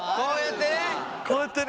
こうやってね。